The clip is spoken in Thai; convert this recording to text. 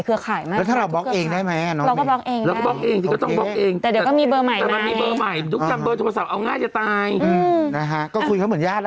เบอร์นี้อยู่ข้้ายคุณไหมช่วยเบาคไม่ได้โทรขายหรอ